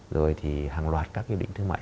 rồi thì hàng loạt các cái định thương mại